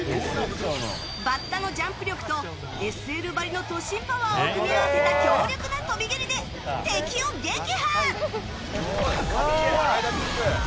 バッタのジャンプ力とＳＬばりの突進パワーを組み合わせた強力な飛び蹴りで敵を撃破！